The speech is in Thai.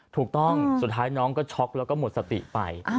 ถูกต้องสุดท้ายน้องก็ช็อกแล้วก็หมดสติไป